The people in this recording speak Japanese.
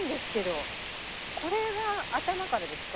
これは頭からですか？